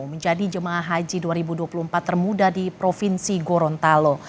menjadi jemaah haji dua ribu dua puluh empat termuda di provinsi gorontalo